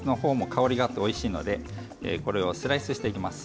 香りがあっておいしいのでこれをスライスしていきます。